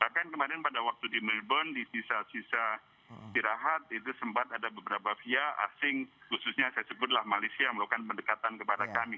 bahkan kemarin pada waktu di melbourne di sisa sisa tirahat itu sempat ada beberapa via asing khususnya saya sebutlah malaysia yang melakukan pendekatan kepada kami